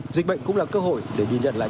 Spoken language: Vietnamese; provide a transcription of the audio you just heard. dịch bệnh cũng là cơ hội để ghi nhận lại